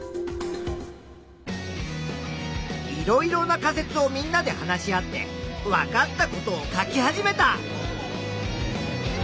いろいろな仮説をみんなで話し合ってわかったことを書き始めた！